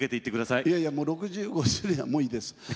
いやいや６５周年はもういいです。